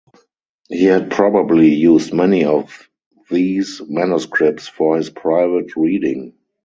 He had probably used many of these manuscripts for his private reading.